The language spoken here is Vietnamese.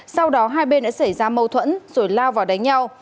sau đó hai bên đã xảy ra mâu thuẫn rồi lao vào đánh nhau